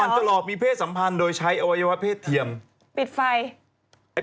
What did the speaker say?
จะหลอกมีเพศสัมพันธ์โดยใช้อวัยวะเพศเทียมปิดไฟไอ้